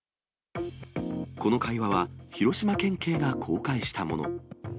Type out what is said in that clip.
この会話は、広島県警が公開したもの。